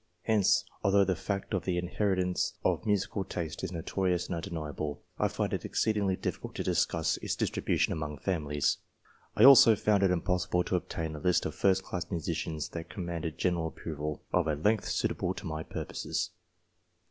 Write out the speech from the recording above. Hence, although the fact of the inheritance of musical taste is notorious and undeniable, I find it exceed ingly difficult to discuss its distribution among families. I also found it impossible to obtain a list of first class musicians that commanded general approval, of a length suitable to my purposes.